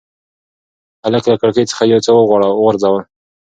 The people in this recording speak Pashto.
هلک له کړکۍ څخه یو څه وغورځول.